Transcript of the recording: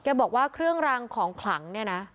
บอกว่าเครื่องรางของขลังเนี่ยนะ